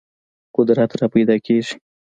قدرت راپیدا کېږي.